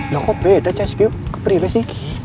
lah kok beda csq ke pria sih